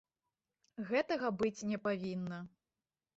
Гэтага быць не павінна.